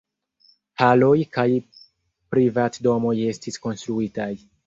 Haloj kaj privatdomoj estis konstruitaj.